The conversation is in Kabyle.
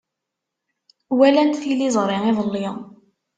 Walant tiliẓri iḍelli.